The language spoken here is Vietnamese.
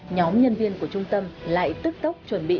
nhóm nhân viên của trung tâm lại tức tốc chuẩn bị